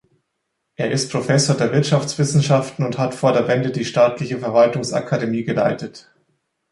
Er ist Professor der Wirtschaftswissenschaften, und hat vor der Wende die staatliche Verwaltungsakademie geleitet.